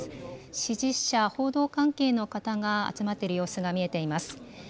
支持者、報道関係の方が集まっている様子が見えています。